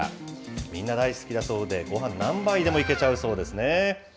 みんな大好きだそうで、ごはん何杯でもいけちゃうそうですね。